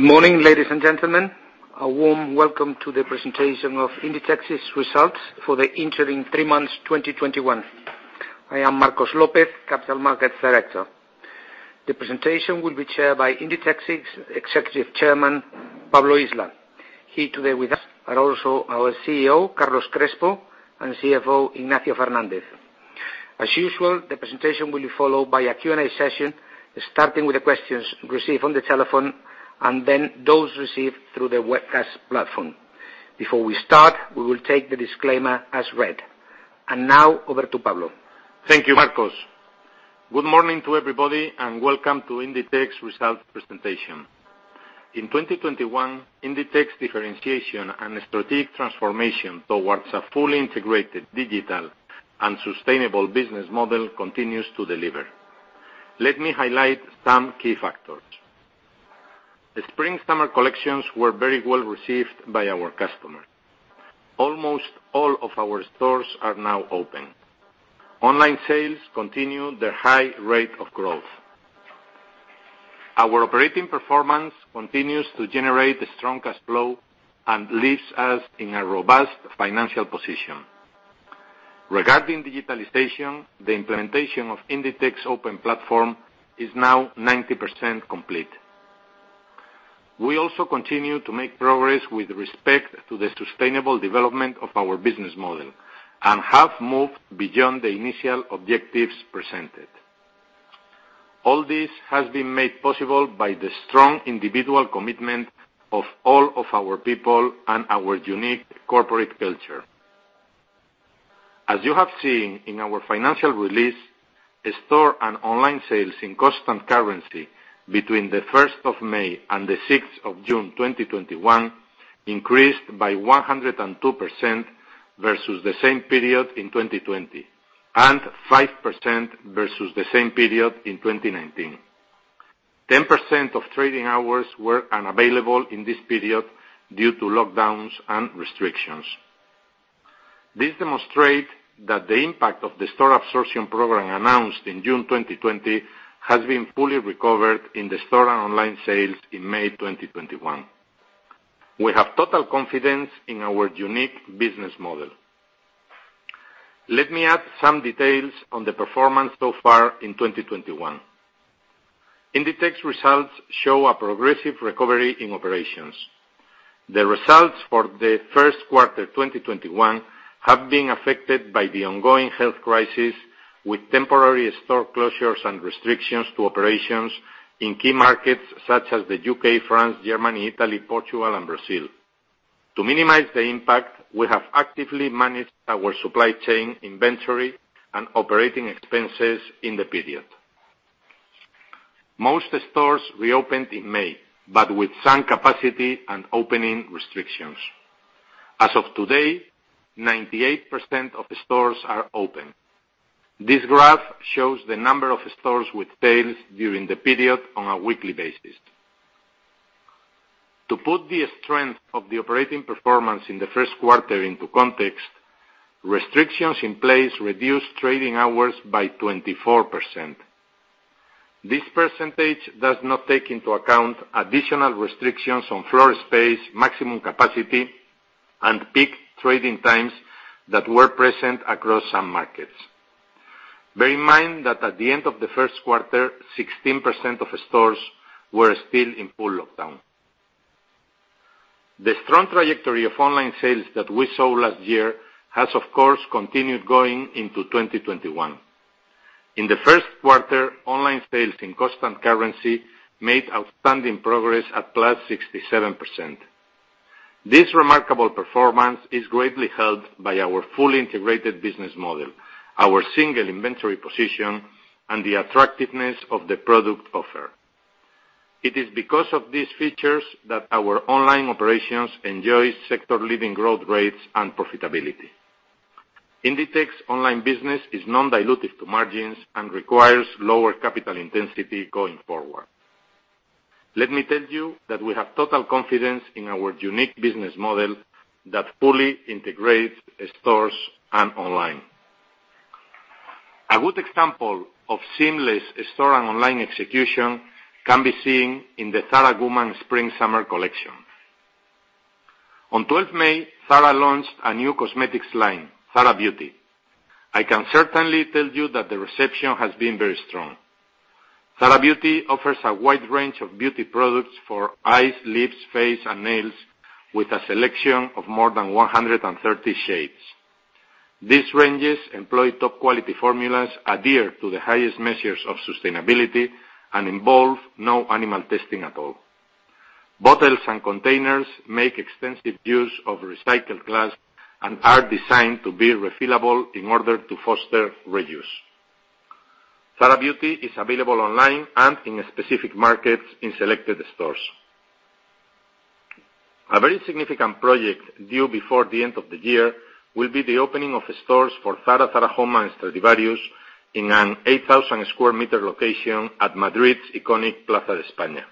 Good morning, ladies and gentlemen. A warm welcome to the presentation of Inditex's results for the interim three months 2021. I am Marcos López, Capital Markets Director. The presentation will be chaired by Inditex Executive Chairman, Pablo Isla. Here today with us are also our CEO, Carlos Crespo, and CFO, Ignacio Fernández. As usual, the presentation will be followed by a Q&A session, starting with the questions received on the telephone and then those received through the Webex platform. Before we start, we will take the disclaimer as read. Now, over to Pablo. Thank you, Marcos. Good morning to everybody, and welcome to Inditex result presentation. In 2021, Inditex differentiation and strategic transformation towards a fully integrated digital and sustainable business model continues to deliver. Let me highlight some key factors. Spring/summer collections were very well received by our customers. Almost all of our stores are now open. Online sales continue their high rate of growth. Our operating performance continues to generate strong cash flow and leaves us in a robust financial position. Regarding digitalization, the implementation of Inditex Open Platform is now 90% complete. We also continue to make progress with respect to the sustainable development of our business model and have moved beyond the initial objectives presented. All this has been made possible by the strong individual commitment of all of our people and our unique corporate culture. As you have seen in our financial release, store and online sales in constant currency between the 1st of May and the 6th of June 2021 increased by 102% versus the same period in 2020, and 5% versus the same period in 2019. 10% of trading hours were unavailable in this period due to lockdowns and restrictions. This demonstrates that the impact of the store absorption program announced in June 2020 has been fully recovered in the store and online sales in May 2021. We have total confidence in our unique business model. Let me add some details on the performance so far in 2021. Inditex results show a progressive recovery in operations. The results for the first quarter 2021 have been affected by the ongoing health crisis, with temporary store closures and restrictions to operations in key markets such as the U.K., France, Germany, Italy, Portugal, and Brazil. To minimize the impact, we have actively managed our supply chain inventory and operating expenses in the period. Most stores reopened in May, but with some capacity and opening restrictions. As of today, 98% of stores are open. This graph shows the number of stores with sales during the period on a weekly basis. To put the strength of the operating performance in the first quarter into context, restrictions in place reduced trading hours by 24%. This percentage does not take into account additional restrictions on floor space, maximum capacity, and peak trading times that were present across some markets. Bear in mind that at the end of the first quarter, 16% of stores were still in full lockdown. The strong trajectory of online sales that we saw last year has, of course, continued going into 2021. In the first quarter, online sales in constant currency made outstanding progress at plus 67%. This remarkable performance is greatly helped by our fully integrated business model, our single inventory position, and the attractiveness of the product offer. It is because of these features that our online operations enjoy sector-leading growth rates and profitability. Inditex online business is non-dilutive to margins and requires lower capital intensity going forward. Let me tell you that we have total confidence in our unique business model that fully integrates stores and online. A good example of seamless store and online execution can be seen in the Zara Woman spring/summer collection. On 12th May, Zara launched a new cosmetics line, Zara Beauty. I can certainly tell you that the reception has been very strong. Zara Beauty offers a wide range of beauty products for eyes, lips, face, and nails, with a selection of more than 130 shades. These ranges employ top-quality formulas, adhere to the highest measures of sustainability, and involve no animal testing at all. Bottles and containers make extensive use of recycled glass and are designed to be refillable in order to foster reuse. Zara Beauty is available online and in specific markets in selected stores. A very significant project due before the end of the year will be the opening of stores for Zara Home, and Stradivarius in an 8,000 square meter location at Madrid's iconic Plaza de España.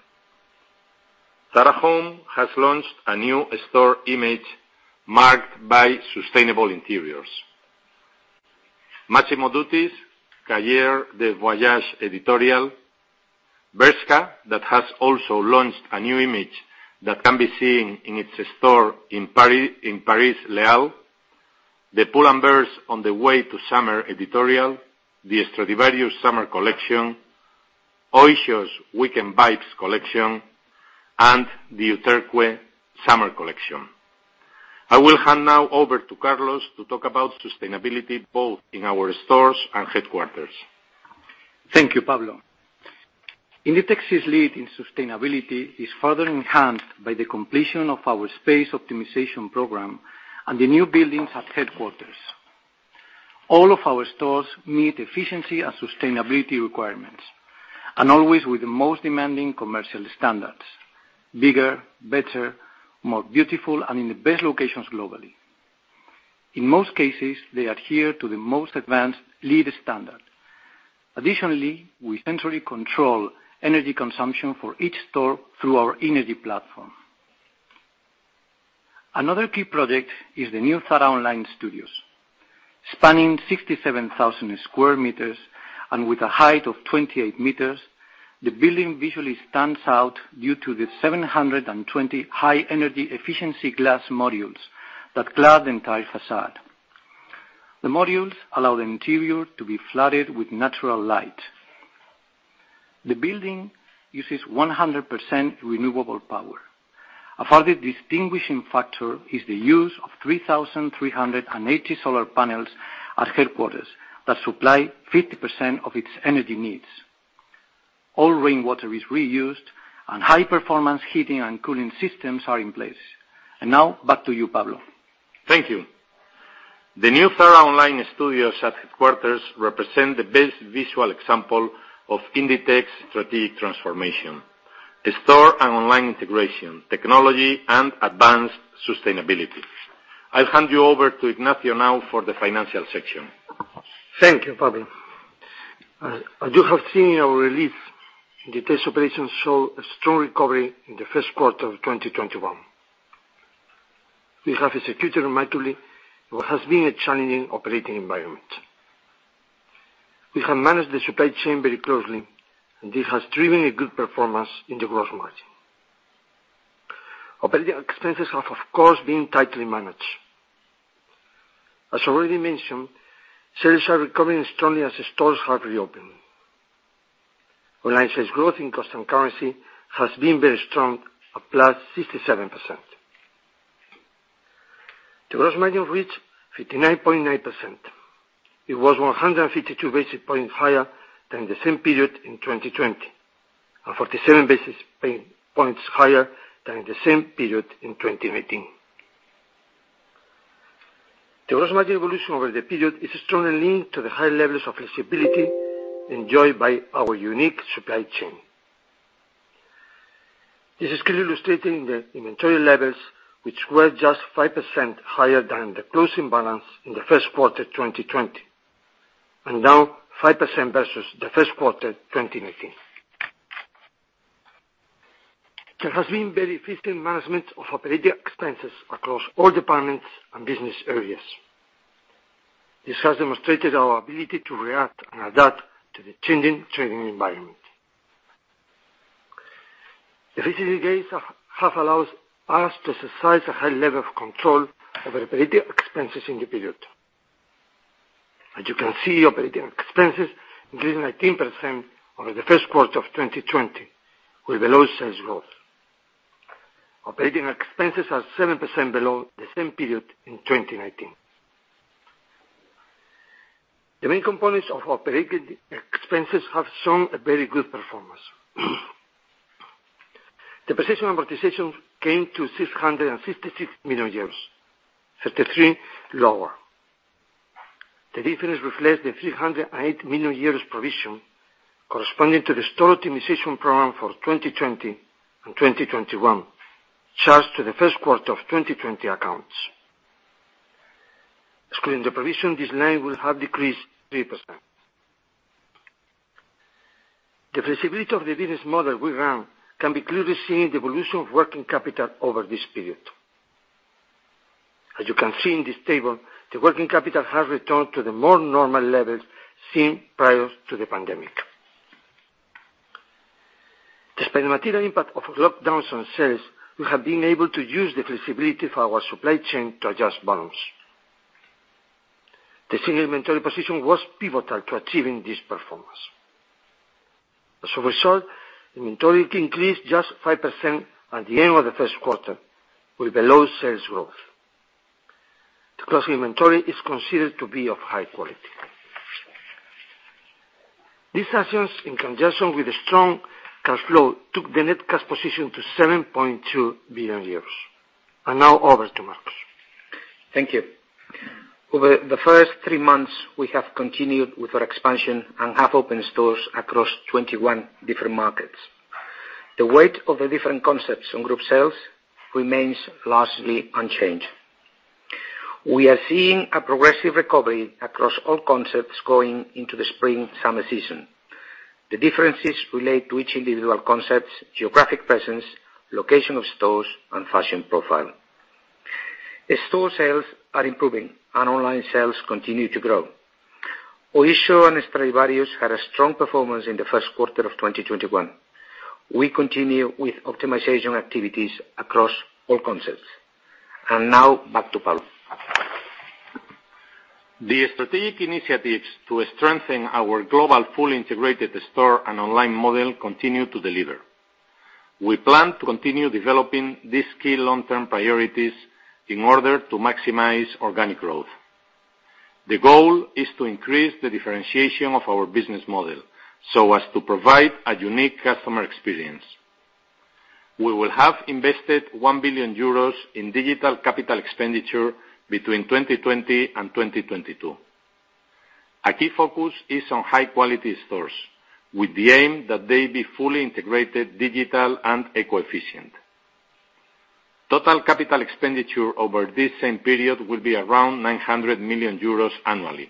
Zara Home has launched a new store image marked by sustainable interiors. Massimo Dutti's Cahier de Voyage editorial, Bershka, that has also launched a new image that can be seen in its store in Paris Les Halles. The Pull & Bear's On the Way to Summer editorial, the Stradivarius summer collection, Oysho's Weekend Vibes collection, and the Uterqüe summer collection. I will hand now over to Carlos to talk about sustainability, both in our stores and headquarters. Thank you, Pablo. Inditex's lead in sustainability is further enhanced by the completion of our space optimization program and the new buildings at headquarters. All of our stores meet efficiency and sustainability requirements, and always with the most demanding commercial standards, bigger, better, more beautiful, and in the best locations globally. In most cases, they adhere to the most advanced LEED standard. Additionally, we centrally control energy consumption for each store through our energy platform. Another key project is the new Zara online studios. Spanning 67,000 sq m and with a height of 28 meters, the building visually stands out due to the 720 high energy efficiency glass modules that clad the entire façade. The modules allow the interior to be flooded with natural light. The building uses 100% renewable power. A further distinguishing factor is the use of 3,380 solar panels at headquarters that supply 50% of its energy needs. All rainwater is reused, high-performance heating and cooling systems are in place. Now back to you, Pablo. Thank you. The new Zara online studios at headquarters represent the best visual example of Inditex strategic transformation, store and online integration, technology, and advanced sustainability. I'll hand you over to Ignacio now for the financial section. Thank you, Pablo. As you have seen in our release, Inditex operations saw a strong recovery in the first quarter of 2021. We have executed remarkably in what has been a challenging operating environment. We have managed the supply chain very closely, and this has driven a good performance in the gross margin. Operating expenses have, of course, been tightly managed. As already mentioned, sales are recovering strongly as stores have reopened. Online sales growth in constant currency has been very strong at plus 67%. The gross margin reached 59.9%. It was 152 basis points higher than the same period in 2020, and 47 basis points higher than the same period in 2019. The gross margin evolution over the period is strongly linked to the high levels of flexibility enjoyed by our unique supply chain. This is clearly stated in the inventory levels, which were just 5% higher than the closing balance in the first quarter 2020, and down 5% versus the first quarter 2019. There has been very efficient management of operating expenses across all departments and business areas. This has demonstrated our ability to react and adapt to the changing trading environment. The efficiency gains have allowed us to exercise a high level of control over operating expenses in the period. As you can see, operating expenses decreased 19% over the first quarter of 2020 with below sales growth. Operating expenses are 7% below the same period in 2019. The main components of operating expenses have shown a very good performance. Depreciation and amortization came to 656 million euros, 33 lower. The difference reflects the 308 million euros provision corresponding to the store optimization program for 2020 and 2021, charged to the first quarter of 2020 accounts. Excluding the provision, this line will have decreased 3%. The flexibility of the business model we run can be clearly seen in the evolution of working capital over this period. As you can see in this table, the working capital has returned to the more normal levels seen prior to the pandemic. Despite the negative impact of lockdowns on sales, we have been able to use the flexibility of our supply chain to adjust volumes. The single inventory position was pivotal to achieving this performance. As a result, inventory increased just 5% at the end of the first quarter with below sales growth. The cost of inventory is considered to be of high quality. These actions, in conjunction with the strong cash flow, took the net cash position to 7.2 billion euros. Now over to Marcos. Thank you. Over the first three months, we have continued with our expansion and have opened stores across 21 different markets. The weight of the different concepts on group sales remains largely unchanged. We are seeing a progressive recovery across all concepts going into the spring/summer season. The differences relate to each individual concept's geographic presence, location of stores, and fashion profile. Store sales are improving and online sales continue to grow. Oysho and Stradivarius had a strong performance in the first quarter of 2021. We continue with optimization activities across all concepts. Now back to Pablo. The strategic initiatives to strengthen our global fully integrated store and online model continue to deliver. We plan to continue developing these key long-term priorities in order to maximize organic growth. The goal is to increase the differentiation of our business model so as to provide a unique customer experience. We will have invested 1 billion euros in digital capital expenditure between 2020 and 2022. A key focus is on high-quality stores, with the aim that they be fully integrated, digital, and eco-efficient. Total capital expenditure over this same period will be around 900 million euros annually,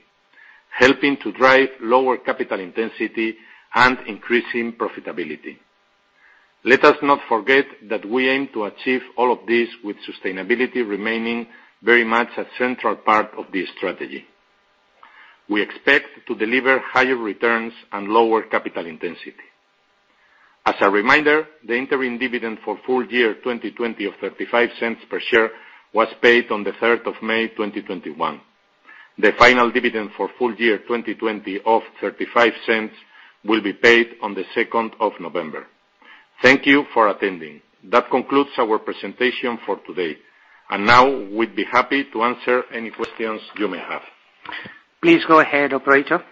helping to drive lower capital intensity and increasing profitability. Let us not forget that we aim to achieve all of this with sustainability remaining very much a central part of this strategy. We expect to deliver higher returns and lower capital intensity. As a reminder, the interim dividend for full year 2020 of 0.35 per share was paid on the 3rd of May 2021. The final dividend for full year 2020 of 0.35 will be paid on the 2nd of November. Thank you for attending. That concludes our presentation for today. Now we'd be happy to answer any questions you may have. Please go ahead, operator.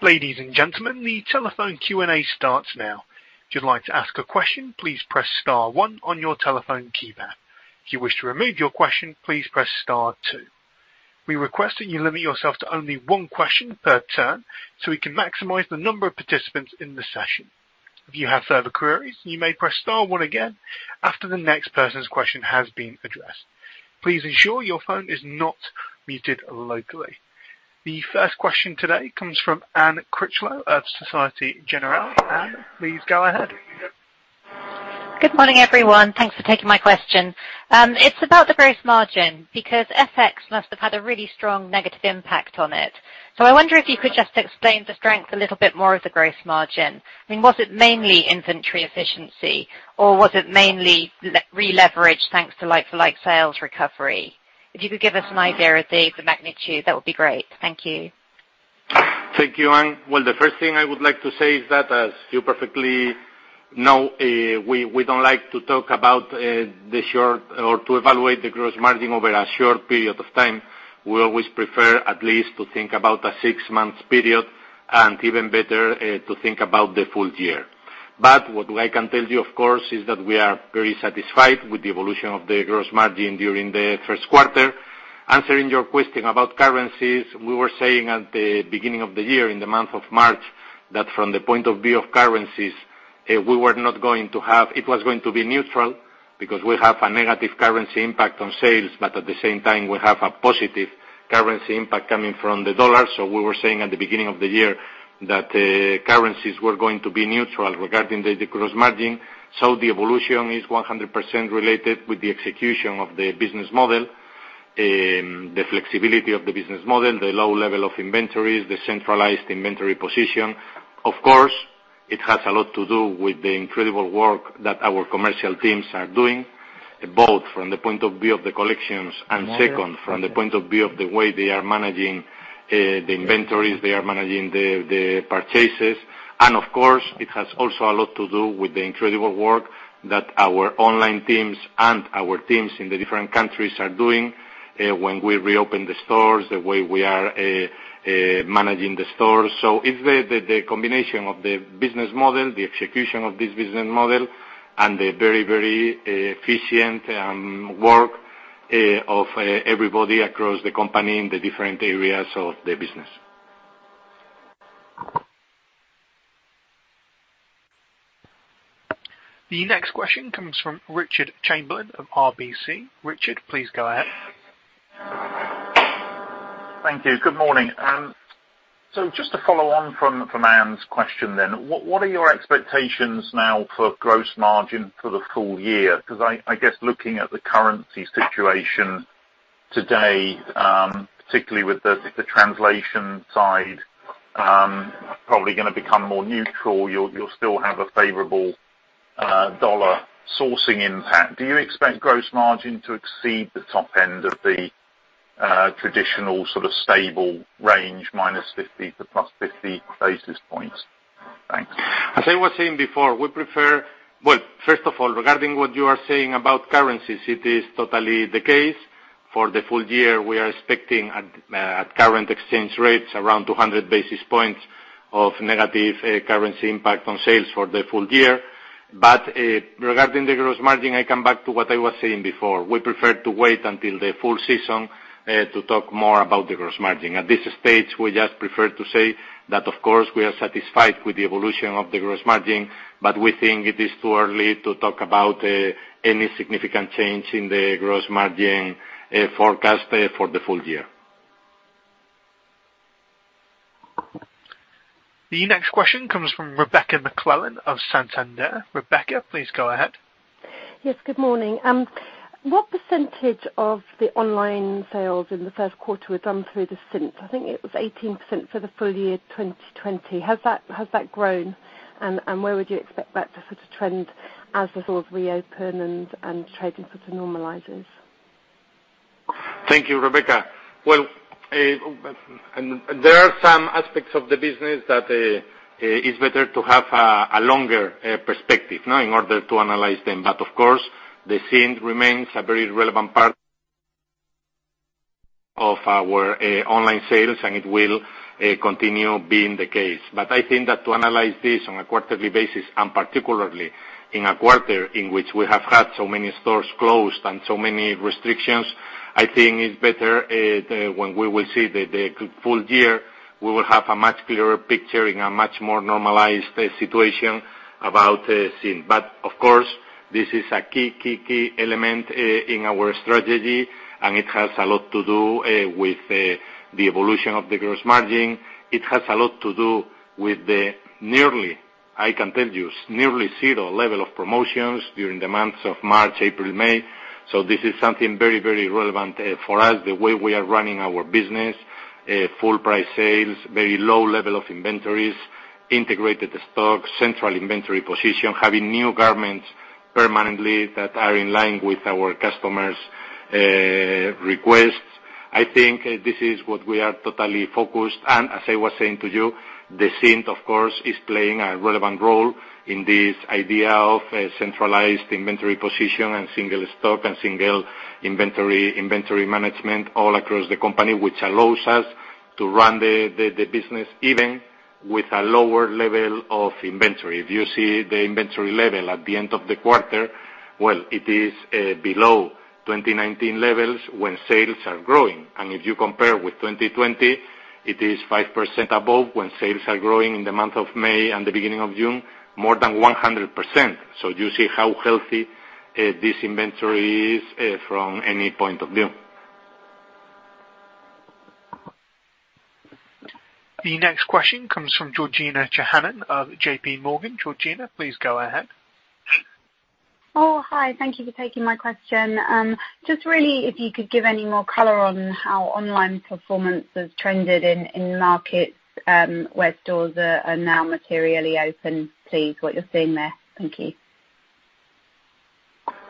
Ladies and gentlemen, the telephone Q&A starts now. If you'd like to ask a question, please press star one on your telephone keypad. If you wish to remove your question, please press star two. We request that you limit yourself to only one question per turn so we can maximize the number of participants in the session. If you have further queries, you may press star one again after the next person's question has been addressed. Please ensure your phone is not muted locally. The first question today comes from Anne Critchlow of Société Générale. Anne, please go ahead. Good morning, everyone. Thanks for taking my question. It's about the gross margin, because FX must have had a really strong negative impact on it. I wonder if you could just explain the strength a little bit more of the gross margin. Was it mainly inventory efficiency or was it mainly re-leverage thanks to like-for-like sales recovery? If you could give us an idea of the magnitude, that would be great. Thank you. Thank you, Anne. The first thing I would like to say is that, as you perfectly know, we don't like to talk about the short, or to evaluate the gross margin over a short period of time. We always prefer at least to think about a six-month period, and even better, to think about the full year. What I can tell you, of course, is that we are very satisfied with the evolution of the gross margin during the first quarter. Answering your question about currencies, we were saying at the beginning of the year, in the month of March, that from the point of view of currencies, it was going to be neutral because we have a negative currency impact on sales, but at the same time, we have a positive currency impact coming from the U.S. dollar. We were saying at the beginning of the year that currencies were going to be neutral regarding the gross margin. The evolution is 100% related with the execution of the business model, the flexibility of the business model, the low level of inventories, the centralized inventory position. Of course, it has a lot to do with the incredible work that our commercial teams are doing, both from the point of view of the collections, and second, from the point of view of the way they are managing the inventories, they are managing the purchases. Of course, it has also a lot to do with the incredible work that our online teams and our teams in the different countries are doing when we reopen the stores, the way we are managing the stores. It's the combination of the business model, the execution of this business model, and the very efficient work of everybody across the company in the different areas of the business. The next question comes from Richard Chamberlain of RBC. Richard, please go ahead. Thank you. Good morning. Just to follow on from Anne's question, what are your expectations now for gross margin for the full year? I guess looking at the currency situation today, particularly with the translation side, probably going to become more neutral. You'll still have a favorable USD sourcing impact. Do you expect gross margin to exceed the top end of the traditional sort of stable range, minus 50 to +50 basis points? Thanks. As I was saying before, we prefer Well, first of all, regarding what you are saying about currencies, it is totally the case. For the full year, we are expecting at current exchange rates, around 200 basis points of negative currency impact on sales for the full year. Regarding the gross margin, I come back to what I was saying before. We prefer to wait until the full season to talk more about the gross margin. At this stage, we just prefer to say that, of course, we are satisfied with the evolution of the gross margin, but we think it is too early to talk about any significant change in the gross margin forecast for the full year. The next question comes from Rebecca McClellan of Santander. Rebecca, please go ahead. Yes, good morning. What percentage of the online sales in the first quarter were done through the SINT? I think it was 18% for the full year 2020. Has that grown? Where would you expect that sort of trend as the stores reopen and trading sort of normalizes? Thank you, Rebecca. Well, there are some aspects of the business that it's better to have a longer perspective in order to analyze them. Of course, the SINT remains a very relevant part of our online sales, and it will continue being the case. I think that to analyze this on a quarterly basis, and particularly in a quarter in which we have had so many stores closed and so many restrictions, I think it's better when we will see the full year, we will have a much clearer picture in a much more normalized situation about SINT. Of course, this is a key element in our strategy, and it has a lot to do with the evolution of the gross margin. It has a lot to do with the, I can tell you, nearly zero level of promotions during the months of March, April, May. This is something very relevant for us, the way we are running our business. Full price sales, very low level of inventories, integrated stock, central inventory position, having new garments permanently that are in line with our customers' requests. I think this is what we are totally focused. As I was saying to you, the SINT, of course, is playing a relevant role in this idea of a centralized inventory position and single stock and single inventory management all across the company, which allows us to run the business even with a lower level of inventory. If you see the inventory level at the end of the quarter, well, it is below 2019 levels when sales are growing. If you compare with 2020, it is 5% above when sales are growing in the month of May and the beginning of June, more than 100%. You see how healthy this inventory is from any point of view. The next question comes from Georgina Johanan of JPMorgan. Georgina, please go ahead. Oh, hi. Thank you for taking my question. Really, if you could give any more color on how online performance has trended in markets where stores are now materially open, please, what you're seeing there? Thank you.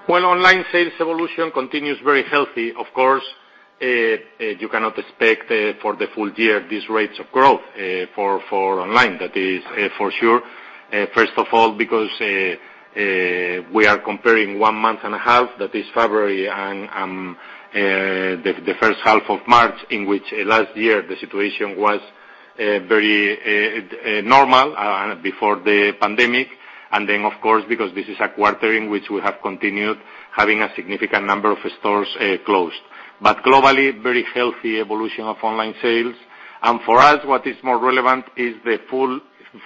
Well, online sales evolution continues very healthy. Of course, you cannot expect for the full year these rates of growth for online, that is for sure. First of all, because we are comparing one month and a half, that is February and the first half of March, in which last year the situation was very normal before the pandemic. Of course, because this is a quarter in which we have continued having a significant number of stores closed. Globally, very healthy evolution of online sales. For us, what is more relevant is the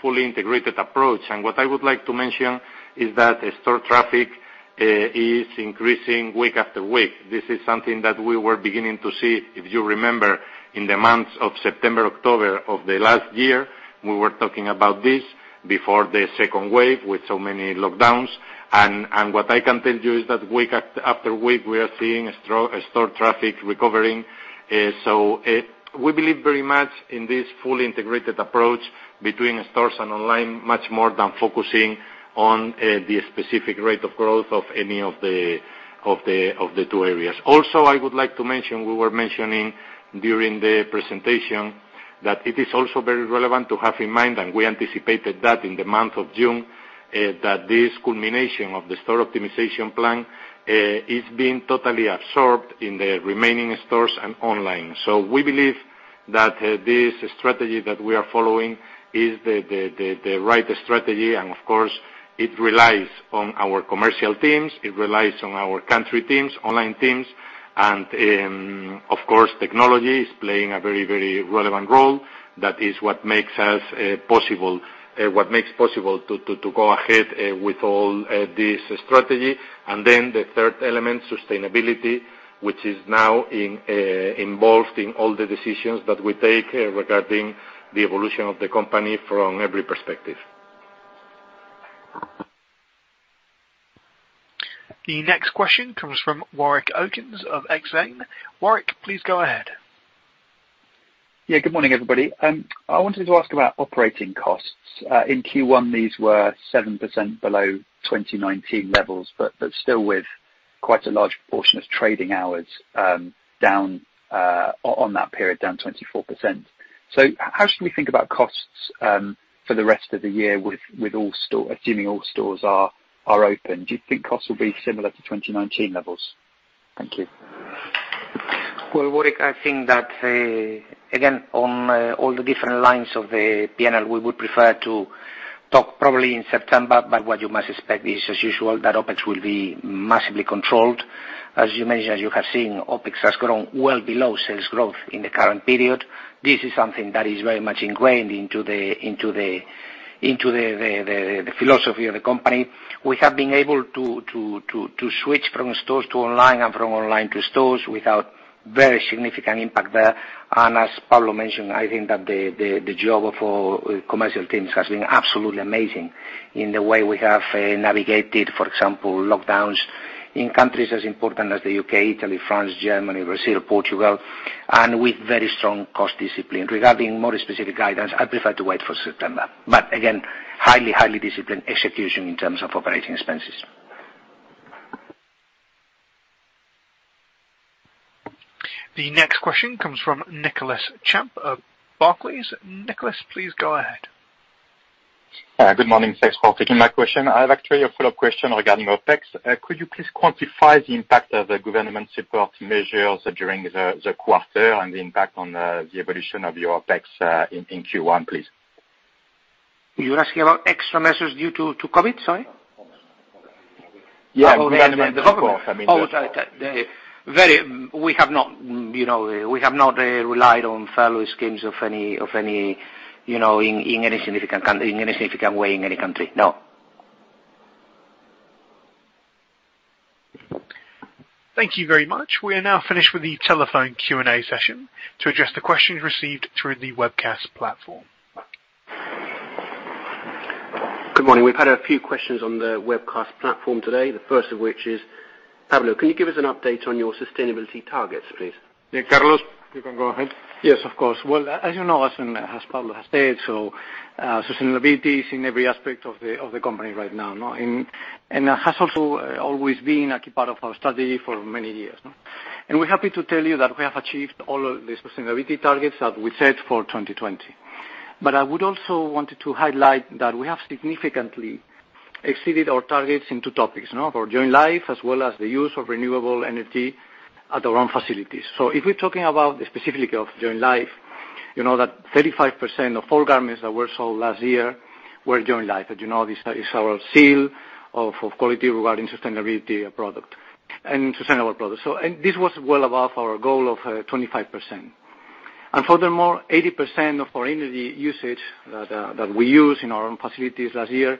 fully integrated approach. What I would like to mention is that store traffic is increasing week after week. This is something that we were beginning to see, if you remember, in the months of September, October of the last year, we were talking about this before the second wave with so many lockdowns. What I can tell you is that week after week, we are seeing store traffic recovering. We believe very much in this fully integrated approach between stores and online, much more than focusing on the specific rate of growth of any of the two areas. I would like to mention, we were mentioning during the presentation that it is also very relevant to have in mind, and we anticipated that in the month of June, that this culmination of the Store Optimization Plan is being totally absorbed in the remaining stores and online. We believe that this strategy that we are following is the right strategy, of course, it relies on our commercial teams, it relies on our country teams, online teams, and of course, technology is playing a very relevant role. That is what makes possible to go ahead with all this strategy. The third element, sustainability, which is now involved in all the decisions that we take regarding the evolution of the company from every perspective. The next question comes from Warwick Okines of Exane. Warwick, please go ahead. Yeah, good morning, everybody. I wanted to ask about operating costs. In Q1, these were 7% below 2019 levels, but still with quite a large portion of trading hours down on that period, down 24%. How should we think about costs for the rest of the year, assuming all stores are open? Do you think costs will be similar to 2019 levels? Thank you. Well, Warwick, I think that, again, on all the different lines of the P&L, we would prefer to talk probably in September, but what you must expect is, as usual, that OpEx will be massively controlled. As you mentioned, as you have seen, OpEx has grown well below sales growth in the current period. This is something that is very much ingrained into the philosophy of the company. We have been able to switch from stores to online and from online to stores without very significant impact there. As Pablo mentioned, I think that the job of our commercial teams has been absolutely amazing in the way we have navigated, for example, lockdowns in countries as important as the U.K., Italy, France, Germany, Brazil, Portugal, and with very strong cost discipline. Regarding more specific guidance, I'd prefer to wait for September, but again, highly disciplined execution in terms of operating expenses. The next question comes from Nicolas Champ of Barclays. Nicolas, please go ahead. Good morning. Thanks for taking my question. I have actually a follow-up question regarding OpEx. Could you please quantify the impact of the government support measures during the quarter and the impact on the evolution of your OpEx in Q1, please? You're asking about extra measures due to COVID, sorry? Yes. On the government support, I mean. We have not relied on furlough schemes in any significant way in any country. No. Thank you very much. We are now finished with the telephone Q&A session. To address the questions received through the webcast platform. Good morning. We've had a few questions on the webcast platform today. The first of which is, Pablo, can you give us an update on your sustainability targets, please? Yes, Carlos, you can go ahead. Yes, of course. Well, as you know, as Pablo has said, sustainability is in every aspect of the company right now. It has also always been a key part of our strategy for many years. We're happy to tell you that we have achieved all of the sustainability targets that we set for 2020. I would also wanted to highlight that we have significantly exceeded our targets in two topics, for Join Life, as well as the use of renewable energy at our own facilities. If we're talking about the specific of Join Life, you know that 35% of all garments that were sold last year were Join Life. You know, this is our seal of quality regarding sustainable products. This was well above our goal of 25%. Furthermore, 80% of our energy usage that we used in our own facilities last year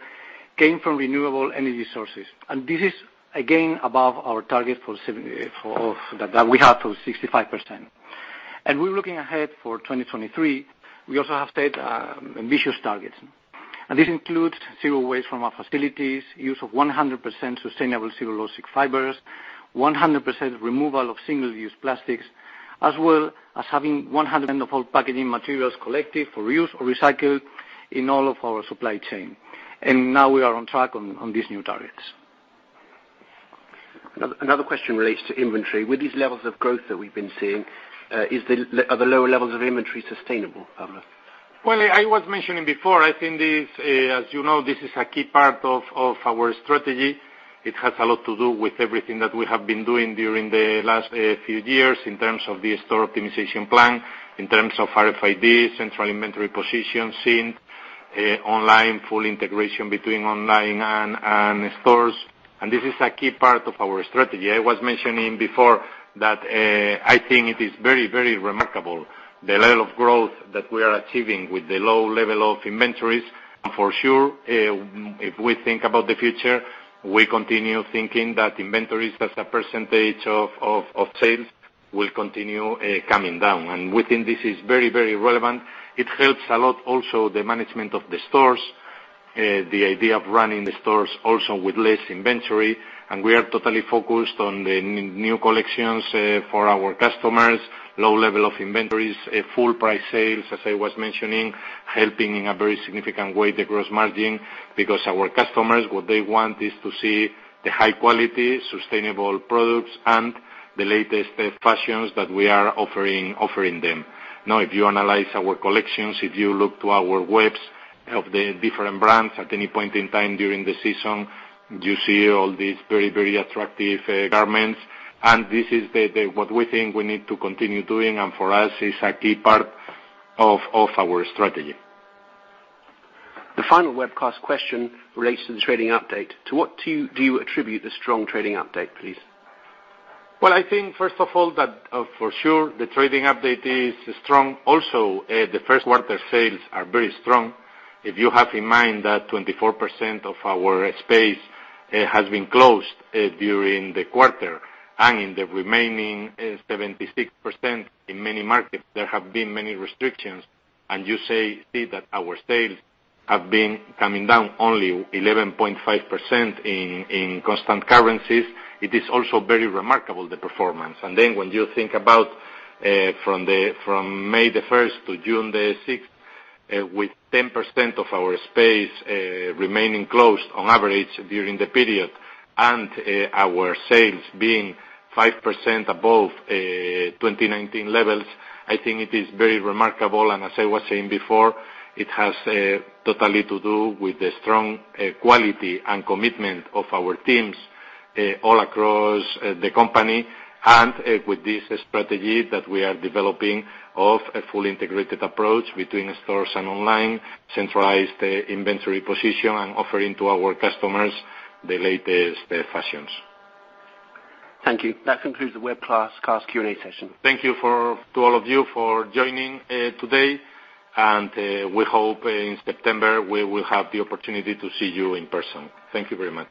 came from renewable energy sources. This is, again, above our target that we have for 65%. We're looking ahead for 2023, we also have set ambitious targets. This includes zero waste from our facilities, use of 100% sustainable cellulosic fibers, 100% removal of single-use plastics, as well as having 100% of all packaging materials collected for reuse or recycled in all of our supply chain. Now we are on track on these new targets. Another question relates to inventory. With these levels of growth that we've been seeing, are the lower levels of inventory sustainable, Pablo? Well, I was mentioning before, I think as you know, this is a key part of our strategy. It has a lot to do with everything that we have been doing during the last few years in terms of the store optimization plan, in terms of RFID, central inventory positioning, online, full integration between online and stores. This is a key part of our strategy. I was mentioning before that I think it is very, very remarkable the level of growth that we are achieving with the low level of inventories. For sure, if we think about the future, we continue thinking that inventories as a percentage of sales will continue coming down. We think this is very, very relevant. It helps a lot also the management of the stores, the idea of running the stores also with less inventory. We are totally focused on the new collections for our customers, low level of inventories, full price sales, as I was mentioning, helping in a very significant way the gross margin, because our customers, what they want is to see the high-quality, sustainable products and the latest fashions that we are offering them. Now, if you analyze our collections, if you look to our webs of the different brands at any point in time during the season, you see all these very, very attractive garments. This is what we think we need to continue doing, and for us, it's a key part of our strategy. The final webcast question relates to the trading update. To what do you attribute the strong trading update, please? Well, I think first of all, that for sure the trading update is strong. Also, the first quarter sales are very strong. If you have in mind that 24% of our space has been closed during the quarter, and in the remaining 76%, in many markets, there have been many restrictions, and you see that our sales have been coming down only 11.5% in constant currencies, it is also very remarkable, the performance. Then when you think about from May the 1st to June the 6th, with 10% of our space remaining closed on average during the period, and our sales being 5% above 2019 levels, I think it is very remarkable. As I was saying before, it has totally to do with the strong quality and commitment of our teams all across the company and with this strategy that we are developing of a fully integrated approach between stores and online, centralized inventory position, and offering to our customers the latest fashions. Thank you. That concludes the webcast Q&A session. Thank you to all of you for joining today. We hope in September, we will have the opportunity to see you in person. Thank you very much.